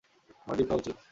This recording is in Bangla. তোমার ডিম খাওয়া উচিত।